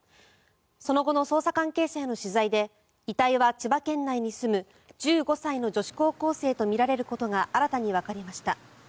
その後の捜査関係者への取材で遺体は千葉県内に住む１５歳の女子高校生とみられることが新たにわかりました。